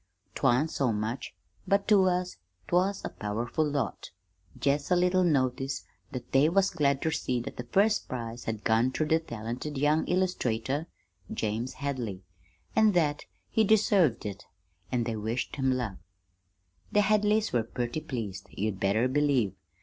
'Twan't so much, but to us 'twas a powerful lot; jest a little notice that they was glad ter see that the first prize had gone ter the talented young illustrator, James Hadley, an' that he deserved it, an' they wished him luck. "The Hadleys were purty pleased, you'd better believe.